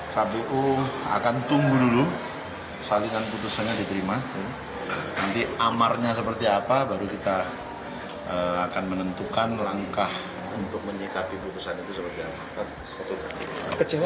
sepanjang informasi yang saya terima tentu kpu kecewa